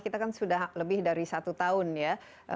kita kan sudah lebih dari satu tahun ya